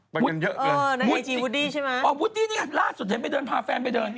ไปเยอะกินเยอะเกิน